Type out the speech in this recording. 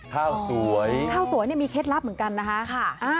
ข้าวสวยข้าวสวยเนี่ยมีเคล็ดลับเหมือนกันนะคะ